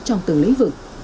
trong từng lĩnh vực